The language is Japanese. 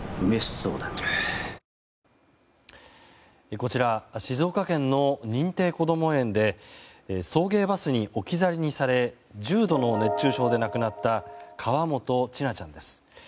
こちら静岡県の認定こども園で送迎バスに置き去りにされ重度の熱中症で亡くなった河本千奈ちゃんです。